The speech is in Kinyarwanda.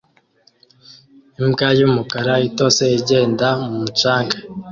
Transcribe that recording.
Imbwa yumukara itose igenda mumucanga